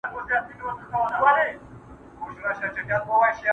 احسان نه مني قانون د زورورو!!